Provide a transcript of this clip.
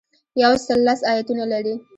یو سل لس ایاتونه لري.